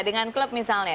dengan klub misalnya